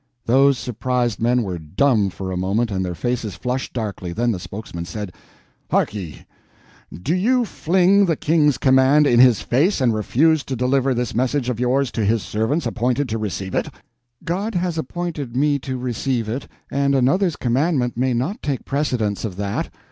Those surprised men were dumb for a moment, and their faces flushed darkly; then the spokesman said: "Hark ye, to you fling the King's command in his face and refuse to deliver this message of yours to his servants appointed to receive it?" "God has appointed me to receive it, and another's commandment may not take precedence of that.